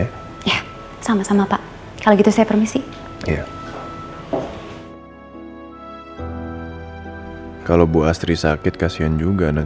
ya ya sama sama pak kalau gitu saya permisi yaa kalau bu astri sakit kasihan juga anak anak